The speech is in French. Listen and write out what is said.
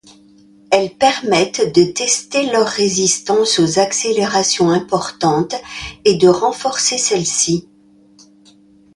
Elles permettent de tester leur résistance aux accélérations importantes et de renforcer celle-ci.